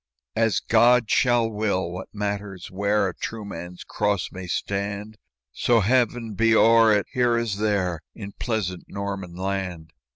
"As God shall will! what matters where A true man's cross may stand, So Heaven be o'er it here as there In pleasant Norman land?